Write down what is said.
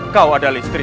kau adalah istri